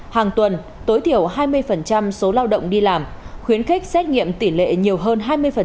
hàng tuần tối thiểu hai mươi số lao động đi làm khuyến khích xét nghiệm tỷ lệ nhiều hơn hai mươi